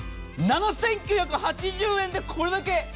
７９８０円でこれだけ。